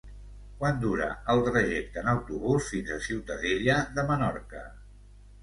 Quant dura el trajecte en autobús fins a Ciutadella de Menorca?